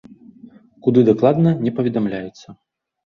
Куды дакладна, не паведамляецца.